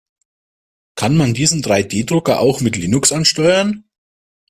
Kann man diesen Drei-D-Drucker auch mit Linux ansteuern?